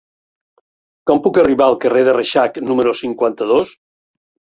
Com puc arribar al carrer de Reixac número cinquanta-dos?